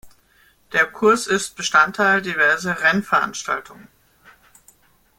Der Kurs ist Bestandteil diverser Rennveranstaltungen.